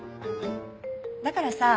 だからさ